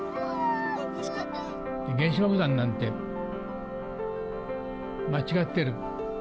原子爆弾なんて、間違ってる。